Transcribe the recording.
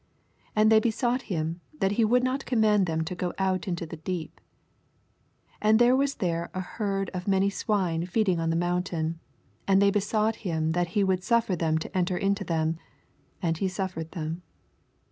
81 And they besought him that ho would not command them to go out into the deep. 82 And there was there an herd o^ many swine feeding on the mountain, and thev besought nim that he would suffer tnem to enter into them. And he suffered them.